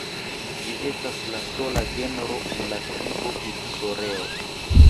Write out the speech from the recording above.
Ĝi estas la sola genro en la tribo Iksoreo.